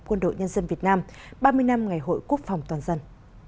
quân đội nhân dân việt nam ba mươi năm ngày hội quốc phòng toàn dân